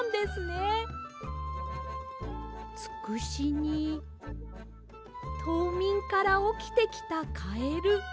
つくしにとうみんからおきてきたカエル。